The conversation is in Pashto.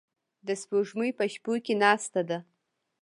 د سپوږمۍ په شپو کې ناسته ده